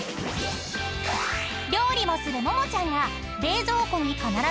［料理もするももちゃんが］